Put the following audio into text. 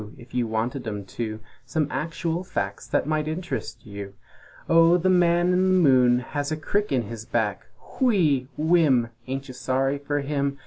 If you wanted 'em to Some actual facts that might interest you! "O the Man in the Moon has a crick in his back; Whee! Whimm! Ain't you sorry for him?